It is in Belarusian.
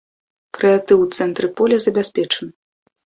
Крэатыў у цэнтры поля забяспечаны.